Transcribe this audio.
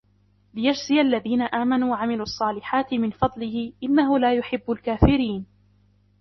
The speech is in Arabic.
ليجزي الذين آمنوا وعملوا الصالحات من فضله إنه لا يحب الكافرين